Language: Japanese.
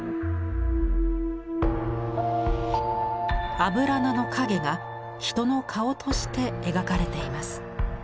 アブラナの影が人の顔として描かれています。